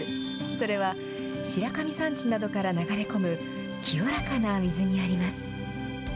それは白神山地などから流れ込む清らかな水にあります。